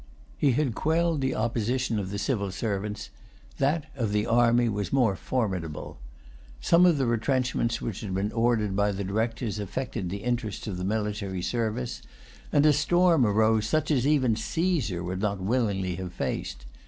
He had quelled the opposition of the civil servants: that of the army was more formidable. Some of the retrenchments which had been ordered by the Directors affected the interests of the military service; and a storm arose, such as even Caesar would not willingly have faced.